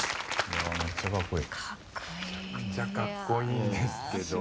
めちゃくちゃかっこいいんですけど。